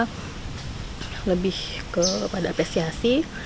mengembangkan ke pada apresiasi